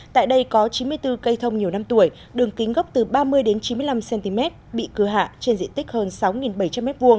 tại đây có chín mươi bốn cây thông nhiều năm tuổi đường kính gốc từ ba mươi chín mươi năm cm bị cưa hạ trên diện tích hơn sáu bảy trăm linh m hai